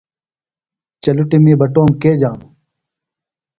چلُٹِمیی بٹوم کے جانوۡ؟